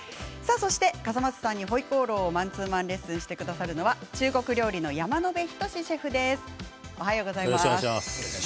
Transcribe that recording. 笠松さんにホイコーローをマンツーマンレッスンしてくれるのは中国料理の山野辺仁シェフです。